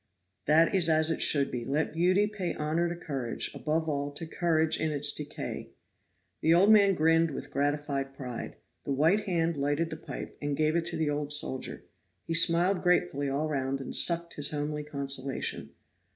"That is as it should be. Let beauty pay honor to courage; above all to courage in its decay." The old man grinned with gratified pride. The white hand lighted the pipe, and gave it to the old soldier. He smiled gratefully all round and sucked his homely consolation.